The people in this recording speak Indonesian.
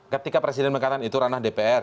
ketika presiden mengatakan itu ranah dpr